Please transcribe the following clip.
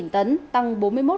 sáu mươi năm tấn tăng bốn mươi một